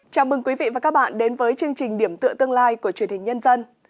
chào mừng quý vị và các bạn đến với chương trình điểm tựa tương lai của truyền hình nhân dân